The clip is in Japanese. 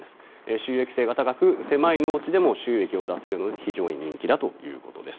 収益性が高く狭い農地でも収益を出せるので非常に人気だということです。